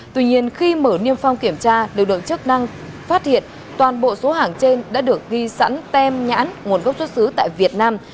tuy nhiên khi mở niêm phong kiểm tra lực lượng chức năng phát hiện toàn bộ số hàng trên đã được ghi sẵn tem nhãn nguồn gốc xuất xứ tại việt nam